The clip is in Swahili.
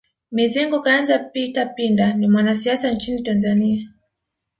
Mizengo Kayanza Peter Pinda ni mwanasiasa nchini Tanzania